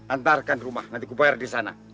antarkan rumah nanti kupayar disana